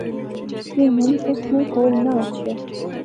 کہ ہن تس میں کول نہ اچھیا